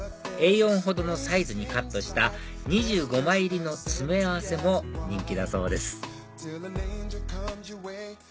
４ほどのサイズにカットした２５枚入りの詰め合わせも人気だそうです